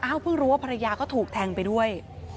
เพิ่งรู้ว่าภรรยาก็ถูกแทงไปด้วย